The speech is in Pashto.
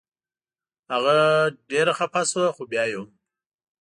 هغه ډېره خفه شوه خو بیا یې هم.